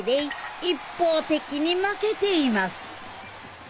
一方的に負けています。